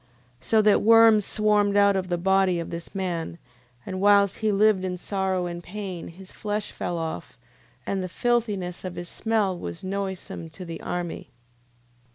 So that worms swarmed out of the body of this man, and whilst he lived in sorrow and pain, his flesh fell off, and the filthiness of his smell was noisome to the army.